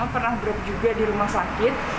pernah drop juga di rumah sakit